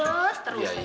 airnya ngeperembes terus